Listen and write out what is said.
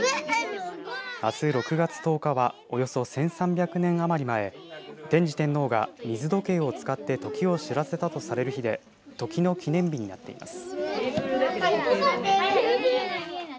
あす６月１０日はおよそ１３００年余り前天智天皇が水時計を使って時を知らせたとされる日で時の記念日になっています。